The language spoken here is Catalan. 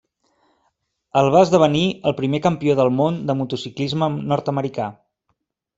El va esdevenir el primer campió del món de motociclisme nord-americà.